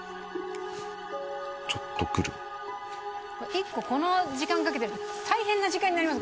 １個この時間かけてると大変な時間になります